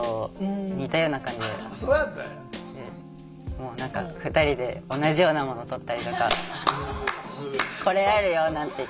もう何か２人で同じようなもの取ったりとか「これあるよ」なんて言って。